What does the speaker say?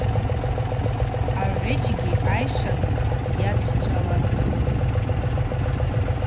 Агӏвыджьгьи айшвакӏ йадчӏвалапӏ.